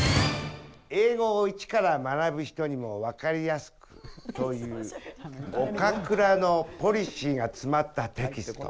英語を一から学ぶ人にも分かりやすくという岡倉のポリシーが詰まったテキスト。